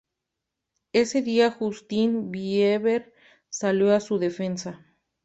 Ese día Justin Bieber salió a su defensa.